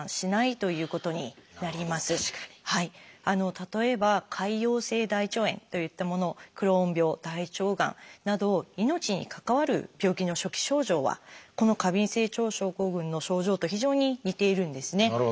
例えば潰瘍性大腸炎といったものクローン病大腸がんなど命に関わる病気の初期症状はこの過敏性腸症候群の症状と非常に似ているんですね。